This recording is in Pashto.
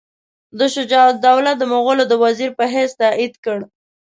ده شجاع الدوله د مغولو د وزیر په حیث تایید کړ.